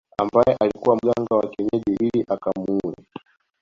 Ambaye alikuwa mganga wa kienyeji ili akamuue